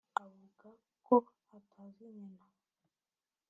Avuga ko atazi nyina